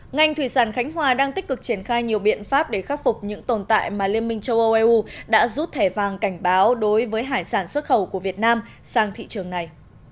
ngành thủy sản khánh hòa đang tích cực triển khai nhiều biện pháp để khắc phục những tồn tại mà liên minh châu âu eu đã rút thẻ vàng cảnh báo đối với hải sản xuất khẩu của việt nam sang thị trường này